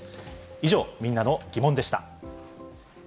以上、みんなのギモンでした。